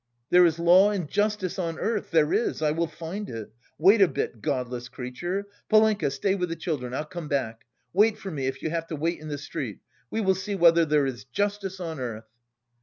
There is law and justice on earth, there is, I will find it! Wait a bit, godless creature! Polenka, stay with the children, I'll come back. Wait for me, if you have to wait in the street. We will see whether there is justice on earth!"